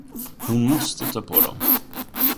Hon måste ta på dem.